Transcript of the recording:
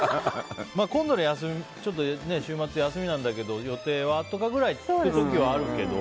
今度の休み、週末休みなんだけど予定は？とかくらい聞く時はあるけど。